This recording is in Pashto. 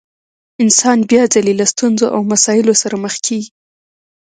انسان بيا ځلې له ستونزو او مسايلو سره مخ کېږي.